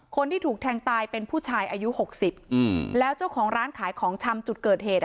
คนที่ถูกแทงตายเป็นผู้ชายอายุหกสิบอืมแล้วเจ้าของร้านขายของชำจุดเกิดเหตุ